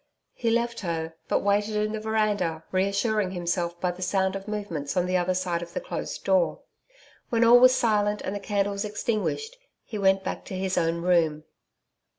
He left her, but waited in the veranda, reassuring himself by the sound of movements on the other side of the closed door. When all was silent, and the candles extinguished, he went back to his own room.